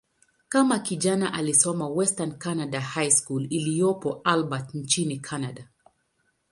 Kama kijana, alisoma "Western Canada High School" iliyopo Albert, nchini Kanada.